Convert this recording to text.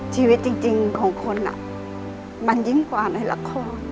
ชีวิตจริงของคนมันยิ่งกว่าในละคร